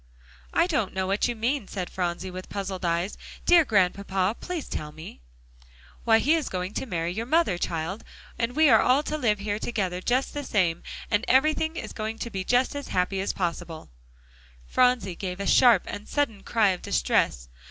"I don't know what you mean," said Phronsie, with puzzled eyes. "Dear Grandpapa, please tell me." "Why, he is going to marry your mother, child, and we are all to live here together just the same, and everything is going to be just as happy as possible." Phronsie gave a sharp and sudden cry of distress.